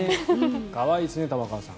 可愛いですね、玉川さん。